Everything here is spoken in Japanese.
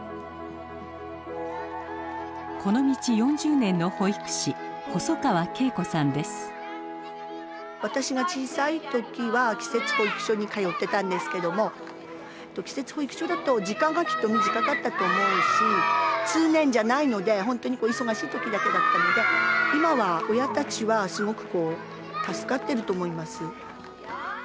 この道４０年の私が小さい時は季節保育所に通ってたんですけども季節保育所だと時間がきっと短かったと思うし通年じゃないので本当に忙しい時だけだったので今は親たちはすごく助かってると思います。